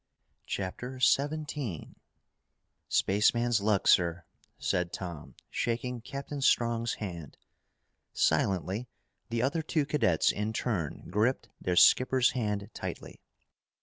CHAPTER 17 "Spaceman's luck, sir," said Tom, shaking Captain Strong's hand. Silently the other two cadets in turn gripped their skipper's hand tightly.